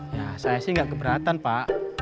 ya saya sih nggak keberatan pak